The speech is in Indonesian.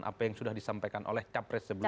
apa yang sudah disampaikan oleh capres sebelumnya